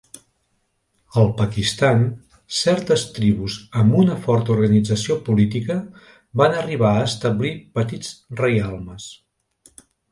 Al Pakistan, certes tribus amb una forta organització política van arribar a establir petits reialmes.